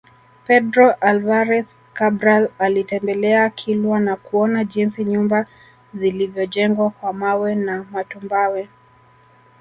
Pedro Alvares Cabral alitembelea Kilwa na kuona jinsi nyumba zilivyojengwa kwa mawe na matumbawe